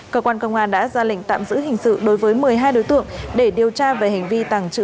cơ quan công an đã ra lệnh tạm giữ hình sự đối với một mươi hai đối tượng để điều tra về hành vi tàng trữ